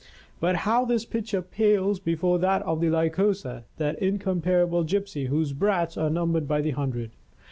But how this picture pales before that of the Lycosa, that incomparable gipsy whose brats are , numbered by the hundred!